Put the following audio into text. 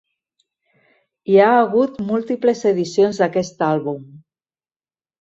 Hi ha hagut múltiples edicions d'aquest àlbum.